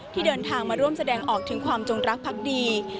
ที่เดินทางมาร่วมแสดงออกถึงความจงรักพักดี